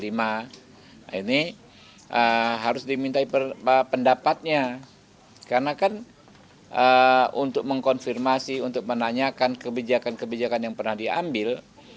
nah ini harus dimintai pendapatnya karena kan untuk mengkonfirmasi untuk menanyakan kebijakan kebijakan yang pernah diambil